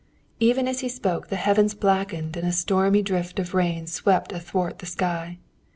Even as he spoke, the heavens blackened and a stormy drift of rain swept athwart the sky.